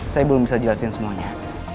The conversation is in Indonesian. saya belum bisa jelasin semuanya